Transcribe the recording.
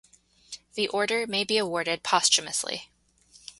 The Order may be awarded posthumously.